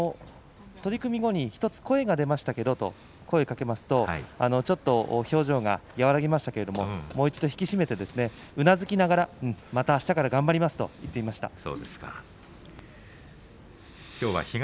取組後に１つ声が出ましたけれどと声をかけますとちょっと表情が和らぎましたけれどもう一度引き締めてうなずきながら、うん、またあしたから頑張りますと言っていました。